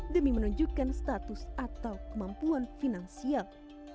demi menunjukkan status atau kemampuan finansial